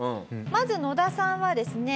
まずノダさんはですね